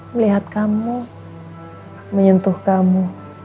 melihat kamu menyentuh kamu